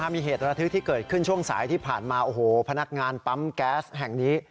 มีเหตุระทึกที่เกิดขึ้นช่วงสายที่ผ่านมาโอ้โหพนักงานปั๊มแก๊สแห่งนี้